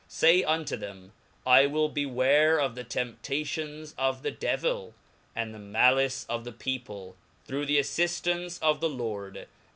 Say unto rv» i T " ^ill beware of the temptations of the Devill and Mh" the mal.«eof the peopM, through the affift^ce of the Lord